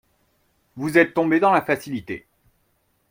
Vous êtes tombé dans la facilité.